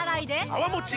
泡もち